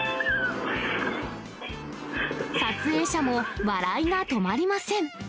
撮影者も笑いが止まりません。